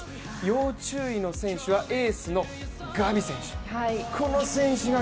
要注意の選手はエースのガビ選手。